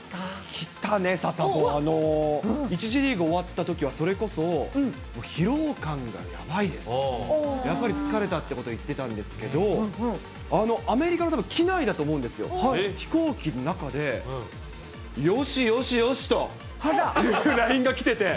来たね、サタボー、１次リーグ終わったときは、それこそ疲労感がやばいですと。やっぱり疲れたってことを言ってたんですけど、アメリカのたぶん機内だと思うんですよ、飛行機の中で、よしよしよしと、ＬＩＮＥが来てて。